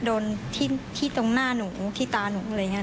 โดนที่ตรงหน้าหนูที่ตาหนูอะไรอย่างนี้